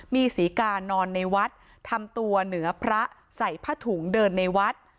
มีศรีกานอนในวัดทำตัวเหนือพระใส่ผ้าถุงเดินในวัด